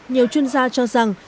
nhiều chuyên gia cho rằng